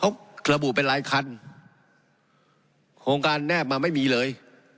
เขาระบุเป็นรายคันโครงการแนบมาไม่มีเลย